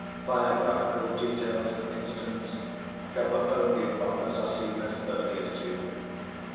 Biographical details, for instance, cover only Father Zossima's earliest youth.